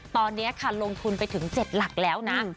ตอนนี้ค่ะลงทุนไปถึง๗หลักแล้วนะ